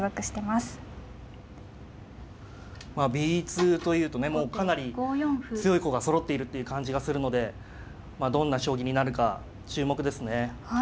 まあＢ２というとねもうかなり強い子がそろっているっていう感じがするのでどんな将棋になるか注目ですね。